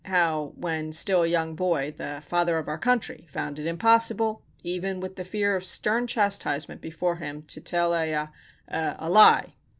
How, when still a young boy, the Father of Our Country found it impossible, even with the fear of stern chastisement before him, to tell a—er—a—lie?"